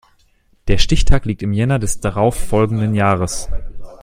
Der Stichtag liegt im Jänner des darauf folgenden Jahres.